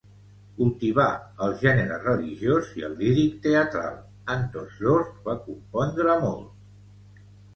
Cultivà el gènere religiós i el líric teatral; en tots dos va compondre molt.